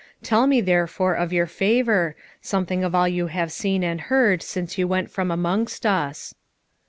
Tell me therefore, of your favour, something of all you have seen and heard since you went from amongst us."